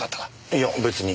いや別に。